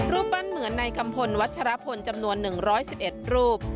รูปปั้นเหมือนในกัมพลวัชรพลจำนวน๑๑๑รูป